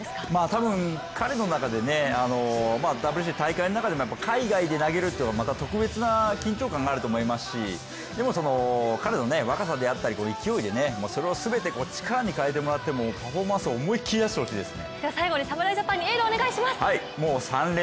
多分彼の中でＷＢＣの大会の中での海外で投げるっていうのは、また特別な緊張感があると思いますし、でも彼の若さであったり勢いでそれを全て力に変えてもらってパフォーマンスを思いっきりだしてほしいですね。